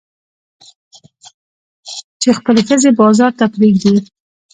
چې خپلې ښځې بازار ته پرېږدي.